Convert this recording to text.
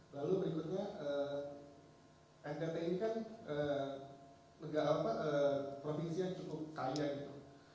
lalu berikutnya ntt ini kan provinsi yang cukup kaya gitu